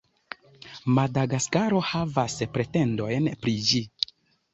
Madagaskaro havas pretendojn pri ĝi.